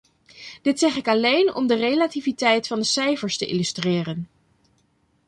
Dit zeg ik alleen om de relativiteit van de cijfers te illustreren.